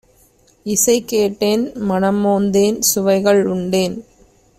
இசைகேட்டேன்! மணம்மோந்தேன்! சுவைகள் உண்டேன்!